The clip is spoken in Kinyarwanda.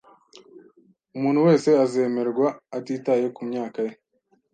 Umuntu wese azemerwa atitaye kumyaka ye